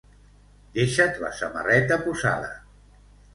Deixa't la samarreta posada.